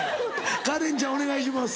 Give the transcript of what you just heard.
カレンちゃんお願いします。